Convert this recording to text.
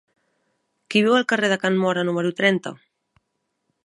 Qui viu al carrer de Can Móra número trenta?